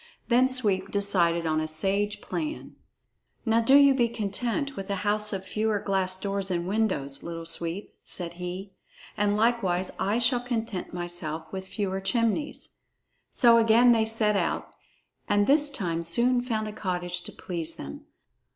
Then Sweep decided on a sage plan. "Now do you be content with a house of fewer glass doors and windows, Little Sweep," said he, "and likewise I shall content myself with fewer chimneys." So again they set out, and this time soon found a cottage to please them.